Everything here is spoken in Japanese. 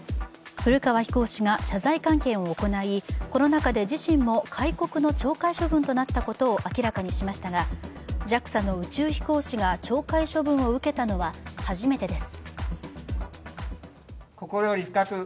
古川飛行士が謝罪会会見を行い、この中で自身も戒告の懲戒処分となったことを明らかにしましたがＪＡＸＡの宇宙飛行士が懲戒処分を受けたのは初めてです。